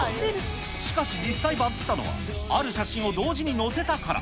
しかし、実際バズったのは、ある写真を同時に載せたから。